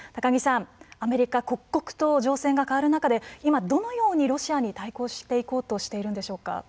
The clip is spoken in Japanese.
木さんアメリカ刻々と情勢が変わる中で今どのようにロシアに対抗していこうとしているんでしょうか。